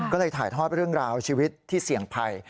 ก็เลยถ่ายทอดเรื่องราวชีวิตที่เสี่ยงภัย